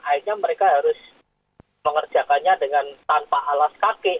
akhirnya mereka harus mengerjakannya dengan tanpa alas kaki